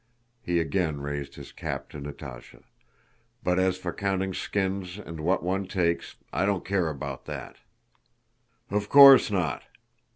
(he again raised his cap to Natásha) "but as for counting skins and what one takes, I don't care about that." "Of course not!"